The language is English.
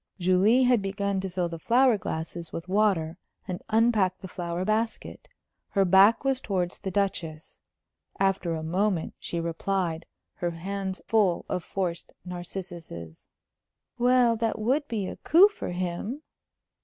Julie had begun to fill the flower glasses with water and unpack the flower basket. Her back was towards the Duchess. After a moment she replied, her hands full of forced narcissuses: "Well, that would be a coup for him."